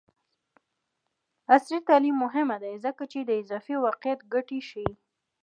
عصري تعلیم مهم دی ځکه چې د اضافي واقعیت ګټې ښيي.